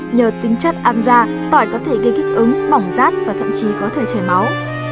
nhờ tính chất ăn da tỏi có thể gây kích ứng bỏng rát và thậm chí có thể chảy máu